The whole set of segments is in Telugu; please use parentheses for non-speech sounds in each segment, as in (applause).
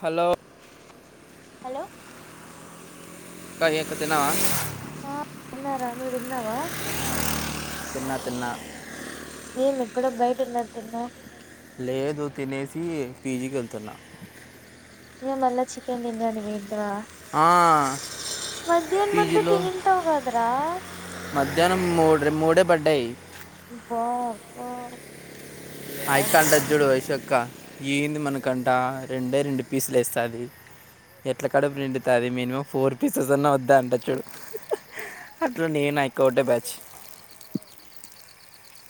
హలో హలో అక్క ఎం క తినావ రా తిన్నావా తిన్న తిన్నా మేమి ఎక్కడో బయటఉన్నటునావ్ లేదు తినేసి ఫీజీకి వెళ్తున్నా (unintelligible) చికెన్ తిననికి (unintelligible) ఆ మధ్యాహ్నం అంతా పీజీలో తినింటావు కదరా మధ్యాహ్నం మూడ మూడే పడ్డాయి పో ఆయక్క అంటది చూడు వైశాక్క ఏంది మనకంట రెండే రెండు పీసులు వేస్తుంది ఎట్ల కాడ నిండుతు అది మినిమం ఫోర్ పీసెస్ అన్నా వద్దా అంట చూడు అట్లా నేను అయ్యాక ఒకోటే బ్యాచ్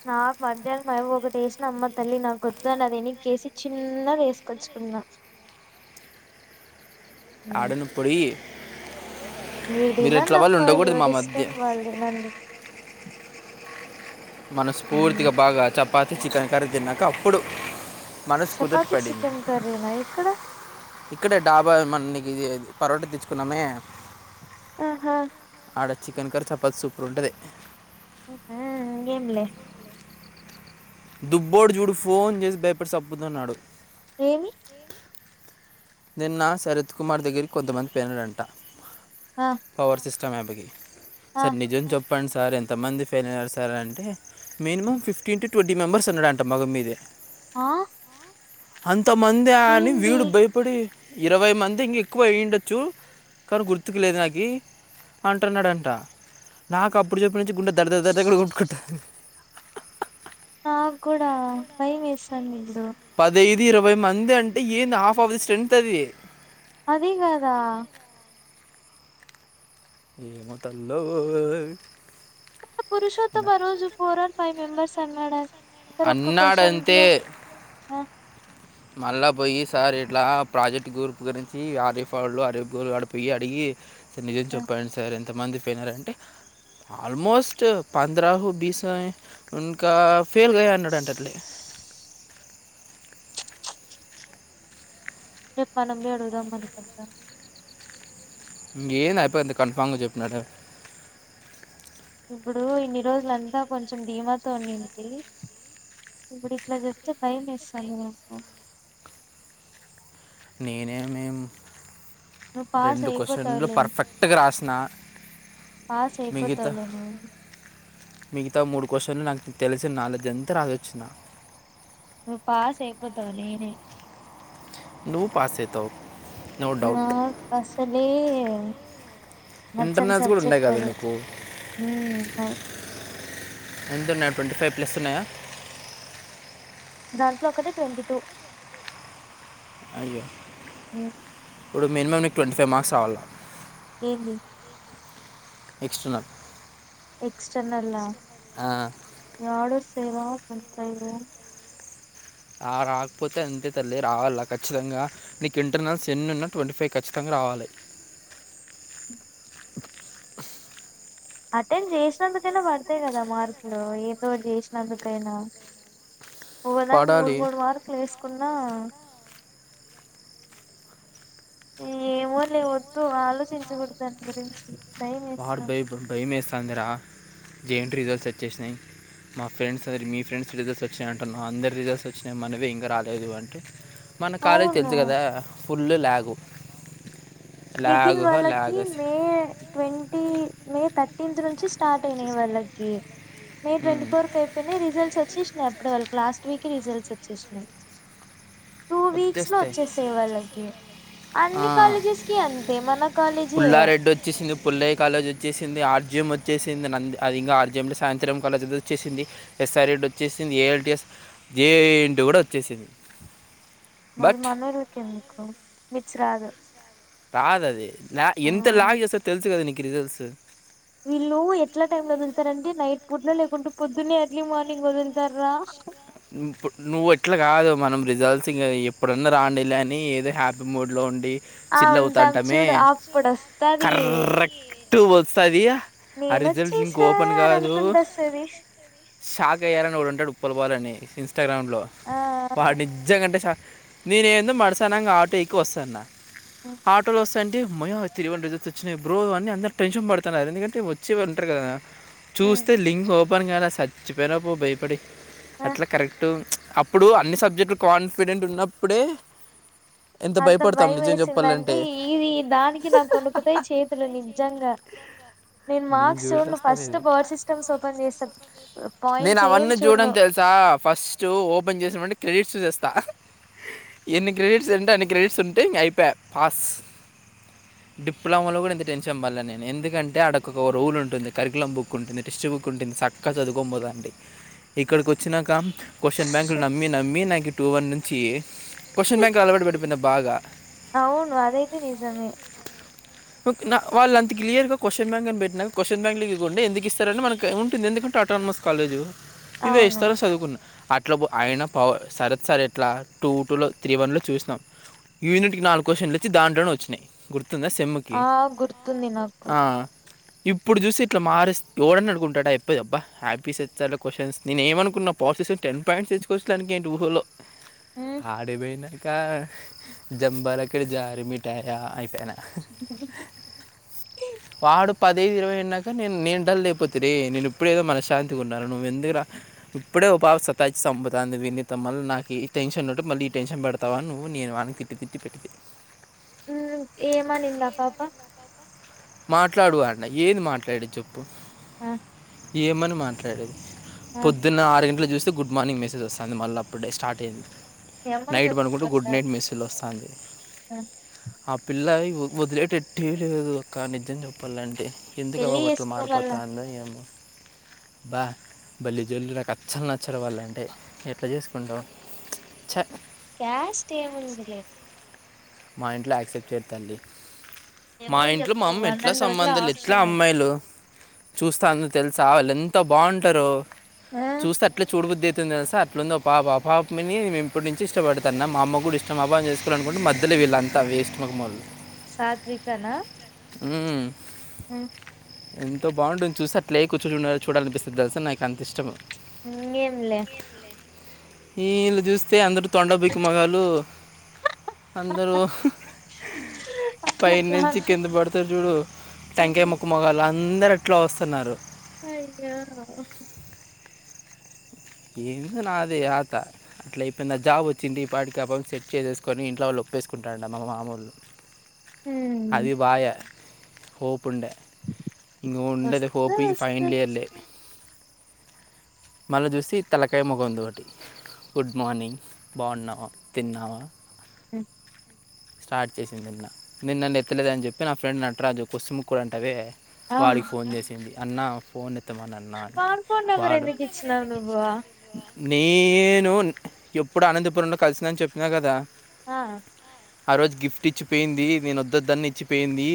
నాకు మధ్యాహ్నం ఒకటి వేసినమ్మ తల్లి నాకు గొద్దు అని అది ఎనక్కేసి చిన్నది వేసుకొచ్చు కున్న ఆడునప్పుడే మీరు తినండి అప్ప ఎవరి మధ్య ఇష్టం వాళ్ళు తినండి మనం స్ఫూర్తిగా బాగా చపాతి చికెన్ కర్రీ తిన్నాక అప్పుడు మనసు కుదుట చపాతి పడింది చికెన్ కర్రీనా ఎక్కడ ఇక్కడే డాబా మ ఇది పరోట తీచ్చుకున్నామే ఆహా ఆడ చికెన్ కర్రీ చపాతి సూపర్ ఉంటుంది హు హు ఇంగేంలే దుబ్బోడు చూడు ఫోన్ చేసి భయపడి చప్పుతున్నాడు ఏమి నిన్న నా శరత్ కుమార్ దగ్గరికి కొంతమంది పెనాడంట ఆ పవర్ సిస్టమ్ యాప్కి ఆ సార్ నిజం చెప్పండి సార్ ఎంతమంది ఫెయిల్ అయ్యారు సార్ అంటే minimum fifteen to twenty members అన్నాడు అంట మొగం మీదే ఆ అంతమంది అని ఏంది వీడు (unintelligible) ఇరవై మంది ఇంక ఎక్కువ అయ్యండొచ్చు కానీ గుర్తుకు లేదు నాకి అంటున్నాడంట నాకు అప్పుడు చెప్పి నుంచి గుండె దడ దడ దడ కొట్టు ఆ కూడ బై మేస్తంది పదహైదు ఇరవై మంది అంటే ఏం హాఫ్ ఆఫ్ ది స్ట్రెంత్ అది అదే కదా ఏమో తల్లో పురుషుతమ్ ఆ రోజు ఫోర్ ఆర్ ఫైవ్ మెంబర్స్ అన్నాడా అన్నాడంతే ఆ, మళ్ళా పోయి సార్ ఇట్లా ప్రాజెక్ట్ గూప్ గురించి హరీఫ్ వాలు అరీఫ్ గ ఆడిపోయి అడిగి స నిజం ఆ, చెప్పండి సార్ ఎంతమంది పోయినారంటే ఆల్మోస్ట్ పంద్రహు బిస ఏ ఉన్క (unintelligible) మనం పోయి అడుగుదాం (inaudible) ఇంకేం అయిపోయింది కన్ఫామ్గా చెప్పినడ ఇప్పుడు ఇన్ని రోజులంతా కొంచెం దిమాతో ఉనింటి ఇప్పుడు ఇట్ల చెప్తే భయం వేస్తుంది నాకు నేనే మేము నువ్వు పాస్ రెండు క్వశ్చన్లు అయిపోతావులే పర్ఫెక్ట్గా రాసిన పాస్ మిగతా అయిపోతావు లే నువ్వు మిగతా మూడు క్వశ్చన్లు నాకు తెలిసిన నాలెడ్జ్ ఎంత రాసోచిన్న నువ్వు పాస్ అయిపోతావు నేనే నువ్వు పాస్ అయితవ్ నాకు అసలే నచ్చని ఇంటర్నల్స్ కూడా ఉన్నాయి సబ్జెక్ట్ కదా అది నీకు ఉమ్ ఉన్నాయి ఎంతున్నై ట్వంటీ ఫైవ్ ప్లస్ ఉన్నాయా దాంట్లో ఒకటి ట్వంటీ టూ అయ్యో ఇప్పుడు మినిమమ్ నీకు ట్వంటీ ఫైవ్ మార్క్స్ రావాలా ఏంది ఎక్స్ట్రానల్ ఎక్స్టర్నల్ ఏడ వస్తాయి ట్వంటీ ఫైవ్ ఆ రాకపోతే అంతే తల్లి రావాల ఖచ్చితంగా నీకు ఇంటర్నల్స్ ఎన్ ఉన్నా ట్వంటీ ఫైవ్ ఖచ్చితంగా రావాలి అటెండ్ చేసినందుకైనా పడతాయి కదా మార్క్లు ఏంతోటి చేసినందుకైనా అ ఒకదానికి మూడు మూడు వార్కులు వేసుకున్నా ఏమో లే వద్దు ఆలోచించకూడదు దాని గురించి భయం వాడు వేస్తాంది భయం భయం వేస్తుందిరా జేఎన్టీయూ రిజల్ట్స్ వచ్చేసినాయి మా ఫ్రెండ్స్ అ మీ ఫ్రెండ్స్ రిజల్ట్స్ వచ్చాయంటారు మా అందరి రిజల్ట్స్ వచ్చినాయి మనవే ఇంకా రాలేదు అంటే మన కాలేజీ అవును తెలుసు కదా ఫుల్ళ లాగ్ నితిన్ వాలకి మే ట్వంటీ మే థర్టీన్త్ నుంచి స్టార్ట్ అయినాయి వాళ్ళకి మే ట్వంటీ ఫోర్ క అయిపోయినాయి రిజల్ట్స్ వచ్చ వచ్చేసినాయి అప్పుడే వాళ్ళకి లాస్ట్ వీక్ రిజల్ట్స్ వచ్చేసినాయి టూ వీక్స్ లో వచ్చేస్తాయి వాళ్ళకి ఆ, అన్ని కాలేజెస్ కి అంతే మన కాలేజీ పుల్లారెడ్డి వచ్చేసింది పుల్లయి కాలేజ్ వచ్చేసింది ఆర్జ జఎం వచ్చేసింది అది ఇంకా ఆర్జఎమ్లో సాయంత్రం కాలేజ్ వచ్చేసింది ఎస్ఆర్ రెడ్డి వచ్చేసింది ఏఎల్టిఎస్ జేఎన్టీయూ కూడా వచ్చేసది మళ్ళీ మనలకి ఎందుకు మిర్చి రాదు (inaudible) రాదు అది ఆ ఎంత లాగ్ చేస్తోరా తెలుసు కదా నీకు రిజల్ట్స్ వీళ్ళు ఎట్లా టైమ్ లో వదులుతారంటి నైట్ పుడ్న లేకుంటే పొద్దున్న ఎర్లీ మార్నింగ్ వదులుతార్రా ప్పుడు నువ్వు ఎట్లా కాదు మనం రిజల్ట్స్ ఇంకా ఎప్పుడన్నా లే అని ఏదో హ్యాపీ మూడ్లో ఉండి ఆ చిల్ల ఉంటాం అవుతాంటామే చూడు అప్పుడు వస్తది కరెక్ట్ వస్తుంది ఆ రిజల్ట్ లింక్ నేనొచ్చేసా ఓపెన్ అని కాదు అనుకుంట వస్తది షాక్ అయ్యాలనిడుంటాడు పులబాల్ అని ఇన్స్టాగ్రామ్లో ఆ వాడి నిజంగాంటే చా నేనుందు మడసానంగా ఆటోకి వస్తాన ఆటోలో వస్త అంటే త్రీ వన్ రిజల్ట్ వచ్చిన బ్రో అని అందరూ టెన్షన్ పడుతున్నారు ఎందుకంటే వచ్చేళ్ళ ఉంటారు కదా చూస్తే లింక్ ఓపెన్ కలా సచిపోయినా పో భయపడి ఆ అట్లా కరెక్ట్ అప్పుడు అన్ని సబ్జెక్టులు కాన్ఫిడెంట్ ఉన్నప్పుడే ఎంత అంత భయపడతాం భయం నిజం వేసిందంటే చెప్పాలంటే ఈది దానికి నా కొనుకుతాయి చేతులు నిజంగా నేను మార్క్స్ చూడంను చూసేస్తా ఫస్ట్ నేను పవర్ సిస్టమ్స్ ఓపెన్ చేసా నేను అవన్నీ చూడని తెలుసా ఫస్ట్ ఓపెన్ చేసినమంటే క్రెడిట్స్ చూసేస్తా ఎన్ని క్రెడిట్స్ ఏంటే అన్ని క్రెడిట్స్ ఉంటే ఇక అయిపోయా పాస్ డిప్లొమా లో కూడా ఇంత టెన్షన్ పడల నేను ఎందుకంటే అక్కడ ఒక రూల్ ఉంటుంది కరికుయలమ్ బుక్ ఉంటుంది టక్స్ట్ బుక్ ఉంటుంది చక్కగా చదువుకో పోదండి ఇక్కడ వచ్చి వచ్చినాక క్వశ్చన్ బ్యాంకులు నమ్మి నమ్మి నాకు టూ వన్ నుంచి క్వశ్చన్ బ్యాంకులు అలవాటు పడిపోయిన బాగా అవును అదైతే నిజమే నా వాళ్ళ అంత క్లియర్గా క్వశ్చన్ బ్యాంక్ అని పెట్టినారు క్వశ్చన్ బ్యాంక్ లో ఇది గోండి ఎందుకు ఇస్తారని మనకు ఉంటుంది ఎందుంటే ఆట మస్ కాలేజు అవును తర్వత చదువుకున్నా అట్ల ఆయిన పవర్ శరత్ సార్ ఎట్లా టూ టూలో త్రీ వన్లో చూసినాం యూనిట్ కి నాలుగు కశ్షన్ ఇచ్చి దాంట్లోనే వచ్చినయి గుర్ వస్తుందా సెమ్ కి ఆ గుర్తుంది నాకు ఆ ఇప్పుడు చూసి ఇట్లా మారిస్తే ఎవడని అనుకుంటాడా ఎప్పేబ్ హ్యాపీస్ క్వశ్చన్స్ నేనే ఏమనుకున్నా కున్న పాసెస్ టెన్ పాయింట్స్ తెచ్చుకోవచ్చ లే టూ టూ లో ఆడికి పోయినాక జంబాలక్కడి జారు మిటాయా అయిపోయానా వాడు పది ఇరవై అయిన్నాక నేను నేంటలు లేపోతిరి నేను ఇప్పుడేదో మనశ్శాంతి ఉన్నాను నువ్వు ఎందుకు రా ఇప్పుడే ఉపాస సతాచ్చింపుతుందినితో మళ్ళీ నాకు ఈ టెన్షన్ ఉంటే మళ్ళీ ఈ టెన్షన్ పెడతా అ నువ్వు నేను కిట్టు తిట్టి పెట్టుకిట్ ఉమ్ ఏమనిందా ఆ పాప మాట్లాడు అన ఏది మాట్లాడేది చెప్పు ఆ ఏమని మాట్లాడేది ఆ పొద్దున్న ఆరు గంటలు చూసి గుడ్ మార్నింగ్ మెసేజ్ వేస్తోంది మళ్ళ అప్పుడుడ స్టార్ అయ్యంది మీ అమ్మకు నైట్ చెప్పు పనుకుంటే గుడ్ ఒకసారి నైట్ మెసేజ్ వస్తోంది ఆ ఆ పిల్లవి వదిలేటటు ఎట్టి లేదు అక్క నిజం చెప్పాలంటే ఎందుకువ పెళ్లి వాట్లు చేసుకో మళ్ళ మారిపోతాంద ఏమో బా బళ్ళీ జోల్లు నాకు అచ్చలు నచ్చడం వాళ్ళంటే ఎట్లా చేసుకుంటావు చ్చా క్యాస్ట్ ఏముందిలే మా ఇంట్లో యాక్సెప్ట్ చేయదు తల్లి మి మా అమ్మ కి ఇంట్లో చె మా అమ్మ ఎట్లా సంబంధాలు ఎట్లా అమ్మాయిలు చూస్తా అందుకు తెలుసా వాళ్ళు ఎంతో బాగుంటారో ఆ చూస్తా అట్లే చూడబుద్ది ఎట్లుదో తెలుసా అట్లాంది ఆ పా పాపని నేను ఎప్పటి నుంచి ఇష్టపడత అన్న మా అమ్మ కూడా ఇష్టం ఆమెని చేసుకోవాలి అనుకుంటే మధ్యలో విలాంత వేస్ట్ ముక్కం వాళ్ళు సాత్వికనా ఉమ్ అమ్ ఎంతో బాగుంటుంది చూసి అట్లే కూర్చు చూడాలనిపిస్తుంది తెలుస నాకు అంత ఇష్టం ఇంక ఏం లే ఈళ్ళు చూస్తే అందరు తొండ బిక్కి మోకాలు అందరూ పై అట్లా నుంచి కింద పడుతు చూడు టెంకాయ అనుకుంటాను ముక్కు మొగాళ్లు అందరు అట్లా వస్తున్నారు అయ్యో ఏందు నాది ఆత అట్లా ఇపోయింద జాబ్ వచ్చింది ఇ పటికి ఆ పిల్లని సెట్ చేసేసుకొని ఇంట్లో వాళ్ళు ఒపేసుకుంటారంట మా మామూళు హ్మ్ అది పాయే హోప్ హప్పు ఉంట ఇం ఉండది వస్తది హోప్ కి ఫైనల్ వస్తది ఇయర్లే మళ్ళ చూసి తలకాయ మగంద ఒకటి గుడ్ మార్నింగ్ బాగున్నావా తిన్నావా స స్టార్ట్ చేసింది నిన్న నిేన్న నన్ను ఎత్తలేదని చెప్పి నా ఫ్రెండ్ నటరాజు కొత్సిముక్కడు అంటవే ఆ వాడికి ఫోన్ చేసింది అన్న ఫోన్ త్తమన నా పాన్ ఫోన్ నెంబర్ వాడు ఎందుకు ఇచ్చినావు నువ్వు నేను ఎప్పుడు అనంతపురంలో కలిసినని చెప్పినా కదా ఆ ఆ రోజు గిఫ్ట్ ఇచ్చిపోయింది నేను వద్ద దాన్ని ఇచ్చిపోయింది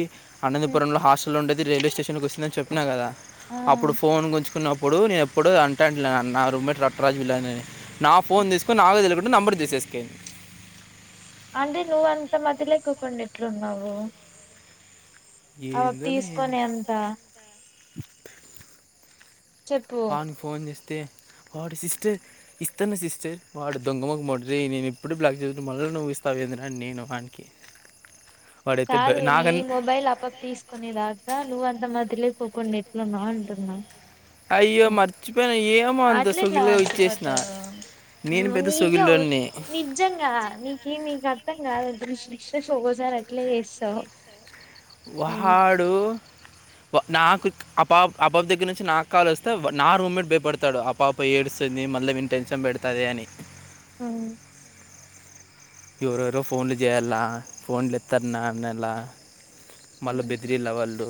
హ్మ్. అనంతపురం లో హాస్టల్ ఉండేది రైల్వే స్టేషన్ కు వస్తుందని చెప్పిన కదా ఆ అప్పుడు ఫోన్ గుంచుకున్నప్పుడు ఇప్పుడు నేను ఎప్పుడు అంటా నా రూమ్ేట్ రట్టరాజుళ నా ఫోన్ తీసుకుని నాకు తె అ నంబర్ చేసేసుకడి అంటే నువ్ అంత మధ్యలో ఎకుకుం ఇట్లున్నావు అ ఏందో లేని తీసుకొని ఎంత చెప్పు పని ఫోన్ చేస్తే వాడు సిస్టర్ ఇస్తున్న సిస్టర్ వాడు దొంగమకు మట నేను ఎప్పుడు బ్లాక్ చేదు మళ్ళీ నువ్వు ఇస్తావ చెందిన నేను వానికి వాడైతే భ- చదు నీ నాకన్ ఈ మొబైల్ అప్ప్ తీసుకునిదాకా నువ్వ అంత మత్రలే క్క కొన్ని ఎట్ల నా ఉంటుంద అయ్యో మర్చిపోయిన ఏమో అంత ఆట్లేట్లా వా సొగిలిగా చుపోత్త ఇచ్చేసిన నేను పెద్ద నీకే సొగిల్లోని నిజంగా నీకే నీకు అర్థంగాృష విేషోగోజార్ అట్ల ఏస్ వాడు నాకు ఆ పాప ఆ పాాప దగ్గర నుంచి నాకు కాల్ వస్తే నా రూమ్ మీట్ భయపడతాడు ఆ పాప ప ఏడుస్తుంది మళ్ళీ మీన్ టెన్షన్ పెడతాద అని ఆ ఎవరెవరో ఫోన్లు చేయాల ఫోన్లు ఎత్తారున్నా అనలా మళ్ళా బెదిరిల వాళ్ళు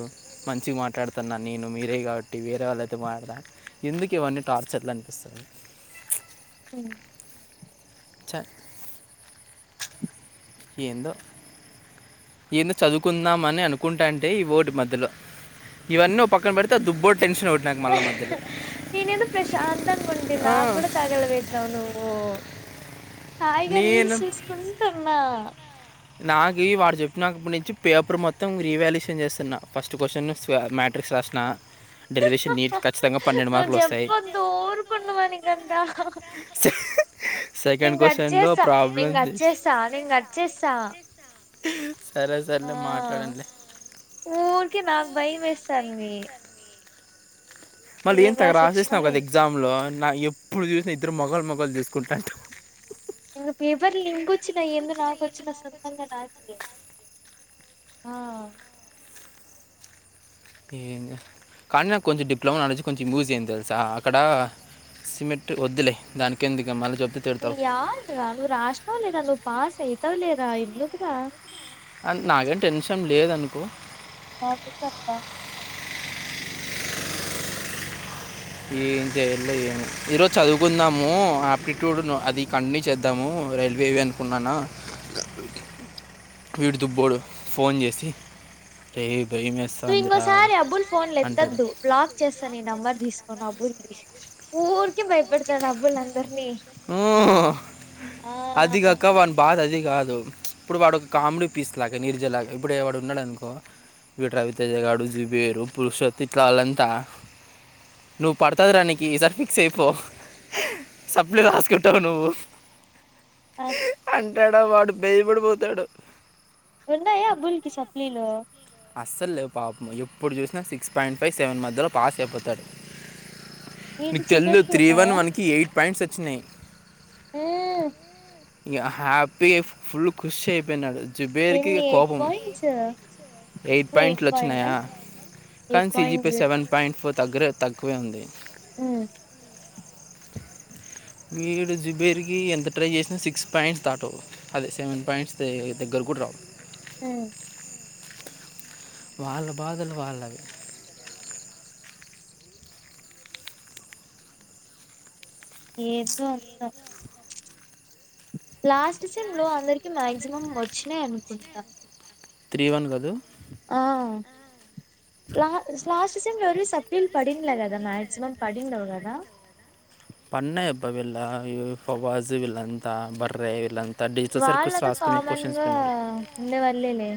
మంచిగా మాట్లాడుతున్నాను నేను మీరే కాబట్టి వేరే వాళ్ళైతే మాట్లాడతాను ఎందుకు ఇవన్నీ టార్చర్లు అనిపిస్తాయి (unintelligible) హ చె ఏందో ఈయన చదువుకుందామని అనుకుంటాంటే ఈ ఓటు మధ్యలో ఇవన్న పక్కం బడితే దుబ్బట్ నాకు మళ్ మది నేను ఏదో ప్రశాంతా అంగా ఉంట నా ఆ, కూడాడా తగలబద్ నవ్వు నువ్ హాయిగా నేను రీల్స్ చూసుకుంటున్నా నాకు వాడు చెప్పినప్పటి నుంచి పేపర్ మొత్తం రీవాల్యూషన్ చేస్తున్నా ఫస్ట్ క్వశ్చన్ మ్యట్రిక్స్ రాసిన డెరివేషన్ నీట్ ఖచ్చితంగా పన్నెండు నువ్వు మార్కులు వస్తాయి జప్పద్దు ఊరుకుండు మనికంటా ని సెకండ్ కట్ క్వశ్చన్లో చేస్తా ని ప్రాబ్లం క చేస్తా. అట్ేస్తా ని కట్ చేస్తా సరే ఆ సరలే మాట్లాడండి బైమేస్తంది మళ్ళీ ఏం తెగ వచ్చినా రాసేసినావ్ కదా నేను ఎగ్జామ్లో నా ఎప్పుడు చూసినా ఇద్దరు మొగలు మొగలు చూసుకుంటాంట ఇంగ పేపర్లు నింపొచ్చిన ఏందో నాకు వచ్చినా సొంతంగ లాస్ట్కి ఆ కానీ నాకు కొంచెం డిప్లమా నాలజి కొంచెం యూజ్ అంది తెలుసా అక్కడ సిమెంట్ వద్దులే దానికి ఎందుకు మళ్ళీ చె యాల్ రా నువ్ రాసినావ్ లేరా నువ్ పాస్ అయితావ్లేరా ఎందుకురా అ నాగేం టెన్షన్ లేద అనుకో త క్ చెప్తా ఏం చేయళ్ళో ఏమొ ఈ రోజు చదువుకుందాము ఆప్టిట్యూడ్ ను అది కంటిన్యూ చేద్దాము రైల్వేవి అనుకున్నాన వీడు దుబ్బోడు ఫోన్ చేసి రేయ్ నువ్వు ఇంకోసారి అబుల్ ఫోన్లు అంటాడు ఎత్తొద్దు బ్లాక్ చేస్తా నీ నంబర్ తీసుకోను అబుల్ ఊరికే భయపెడ్ మ్ ఆ అదిికాక వని బాధ అది కాదు అ ఇప్పుడు వాడు ఒక కాముడి పీస్ లాగా నీరుజలాగా ఇప్పుడ వాడు ఉన్నాడనుకో వీడు రవితేజ గాడు జిపియరు పురుషోత్తి ఇట్ల వాళ్ళంతా నువ్వు పడుతది రానికి ఈసారి ఫిక్స్ అయిపో సప్లే రాాసుకుంటావు నువ్వు ఆ అంటాడా వాడు బేయబడిపోతాడు ఉండాయ ఆ బూల్కి సప్లీలు అస్సల్ లేవు పాపము ఎప్పుడు చూసినా సిక్స్ పాయింట్ ఫైవ్ సెవెన్ మధ్యలో పాస్ అయిపోతాడు వీటి నీకు తెలుదు జుబెట్కి త్రీ వన్ ఉన్నాయా వన్కి ఎయిట్ పాయింట్స్ వచ్చినాయి మ్ ఇగ హ్యాపీ ఫుల్ ఖుషి అయిపోయినడు చిబేరికి ఎన్ని ఎయిట్ కోపం పాయింట్స్ ఎయిట్ పాయింట్లు వచ్చినాయా ఎయిట్ కానీ point CGP zero seven point four తగ్గరే తక్కువే ఉంది మ్ వీడు జుబేర్ కి ఎంత ట్రై చేసినో సిక్స్ పాయింట్స్ దాటవ్ అదే సెవెన్ పాయింట్స్ ద దగ్గర కుడ్రావ్ మ్ వాళ్ళ బాధలు వాళ్ళవి ఏందో అంతా లాస్ట్ సెంలో అందరికి మ్యాక్సిమం వచ్చినాయ్ అనుకుంటా త్రీ వన్ కాదు ఆ లా లాస్ట్ సెంలో ఎవరివి సప్ ప్లిల్ పడింన్లే కదా మాక్సిమం పడిండవు కదా పడ్నయ్ అబ్బ వీళ్ళ ఇ వ్ ఫజు విలంత బర్రే విలం త డిజిటల్ సర్కిల్స్ వాళ్ళతో రాసుకునే కామన్ క్వశ్చన్స్ గా పెన్నాడు ఉండే వాళ్ళేలే